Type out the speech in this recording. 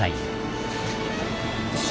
よし。